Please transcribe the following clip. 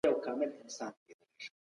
ښوونکی د زدهکوونکو موخې تشخیصوي.